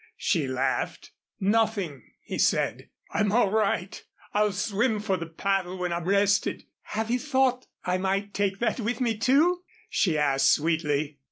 she laughed. "Nothing," he said. "I'm all right. I'll swim for the paddle when I'm rested." "Have you thought I might take that with me, too?" she asked sweetly.